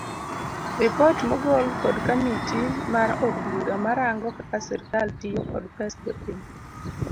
Ripot mogol kod kamiti mar od bura marango kaka sirikal tiyo kod pes jopiny